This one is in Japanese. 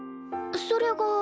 それが。